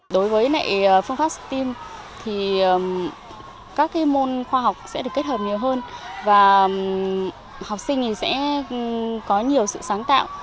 đối với phương pháp steam thì các môn khoa học sẽ được kết hợp nhiều hơn và học sinh sẽ có nhiều sự sáng tạo